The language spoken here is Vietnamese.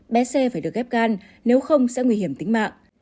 bé xe phải được ghép gan nếu không sẽ nguy hiểm tính mạng